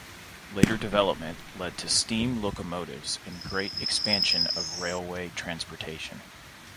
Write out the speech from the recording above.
Later development led to steam locomotives and great expansion of railway transportation.